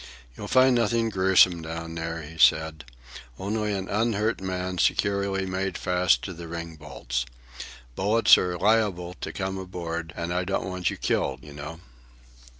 "You'll find nothing gruesome down there," he said, "only an unhurt man securely made fast to the ring bolts. Bullets are liable to come aboard, and I don't want you killed, you know."